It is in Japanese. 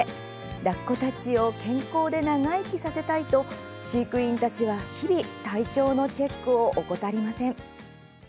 ラッコたちを健康で長生きさせたいと飼育員たちは日々体調のチェックを怠りません。